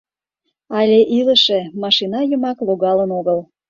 Але илыше, машина йымак логалын огыл.